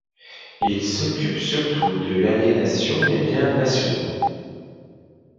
Il s'occupe surtout de l'aliénation des biens nationaux.